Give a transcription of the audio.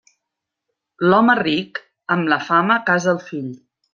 L'home ric, amb la fama casa el fill.